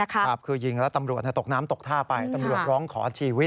คือยิงแล้วตำรวจตกน้ำตกท่าไปตำรวจร้องขอชีวิต